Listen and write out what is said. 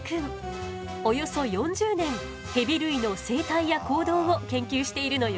およそ４０年ヘビ類の生態や行動を研究しているのよ。